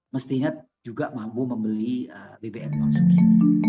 mestinya juga mampu membeli bbm konsumsi